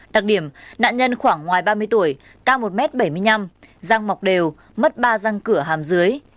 đặc điểm nạn nhân khoảng ngoài ba mươi tuổi cao một m bảy mươi năm răng mọc đều mất ba răng cửa hàm dưới